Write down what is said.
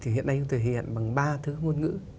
hiện nay thực hiện bằng ba thứ ngôn ngữ